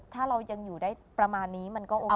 ถ้าเรายังอยู่ได้ประมาณนี้